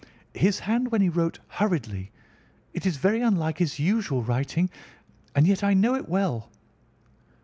"His hand when he wrote hurriedly. It is very unlike his usual writing, and yet I know it well."